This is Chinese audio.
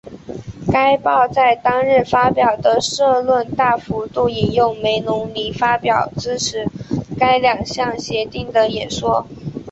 该报在当日发表的社论大幅度引用梅隆尼发表支持该两项协定的演说。